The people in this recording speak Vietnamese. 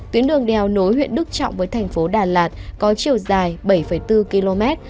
tuyến đường đèo nối huyện đức trọng với thành phố đà lạt có chiều dài bảy bốn km